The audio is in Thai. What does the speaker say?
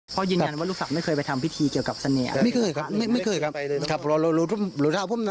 พ่อยืนยันว่าลูกศัพท์ไม่เคยไปทำพิธีเกี่ยวกับเสน่ห์